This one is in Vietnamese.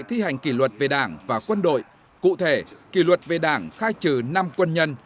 thi hành kỷ luật về đảng và quân đội cụ thể kỷ luật về đảng khai trừ năm quân nhân